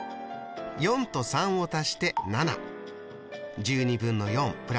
４と３を足して７。